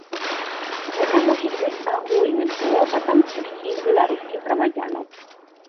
Гэта мусіць быць агульным клопатам усіх беларускіх грамадзянаў.